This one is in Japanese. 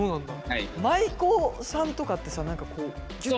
舞妓さんとかって何かこうキュッて。